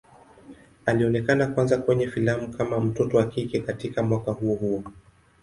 Alionekana kwanza kwenye filamu kama mtoto wa kike katika mwaka huo huo.